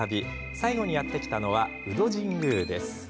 最後にやって来たのは鵜戸神宮です。